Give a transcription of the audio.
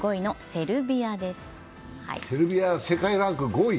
セルビアは世界ランク５位。